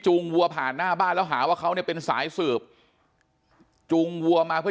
วัวผ่านหน้าบ้านแล้วหาว่าเขาเนี่ยเป็นสายสืบจุงวัวมาเพื่อ